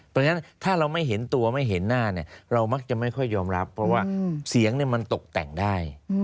เพราะฉะนั้นถ้าเราไม่เห็นตัวไม่เห็นหน้าเนี่ยเรามักจะไม่ค่อยยอมรับเพราะว่าเสียงมันตกแต่งได้